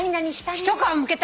一皮むけたね。